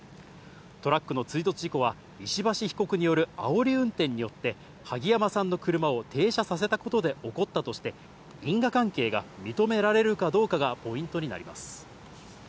トラックの追突事故は石橋被告によるあおり運転によって萩山さんの車を停車させたことで起こったとして、因果関係が認められるかどうかがポイントになります。